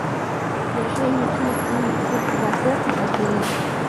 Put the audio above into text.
也是一批基于字符的接口的基类。